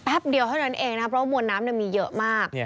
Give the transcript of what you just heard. เดียวเท่านั้นเองนะครับเพราะว่ามวลน้ำมีเยอะมาก